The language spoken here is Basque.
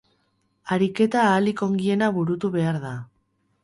Ariketa ahalik ongiena burutu behar da.